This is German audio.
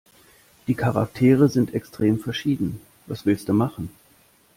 Die Charaktere sind extrem verschieden. Was willste machen?